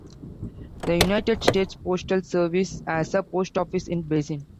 The United States Postal Service has a post office in Basin.